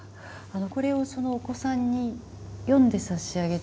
これをお子さんに読んでさしあげていてどう。